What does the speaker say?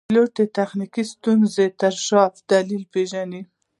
پیلوټ د تخنیکي ستونزو تر شا دلیل پېژني.